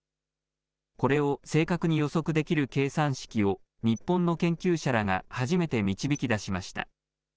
これを正確に予測できる計算式を日本の研究者らが初めて導き出しました。